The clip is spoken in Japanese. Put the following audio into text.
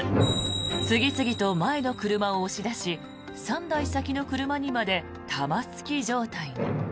次々と前の車を押し出し３台先の車にまで玉突き状態に。